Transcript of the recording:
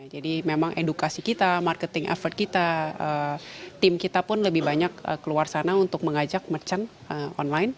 jadi memang edukasi kita marketing effort kita tim kita pun lebih banyak keluar sana untuk mengajak merchant online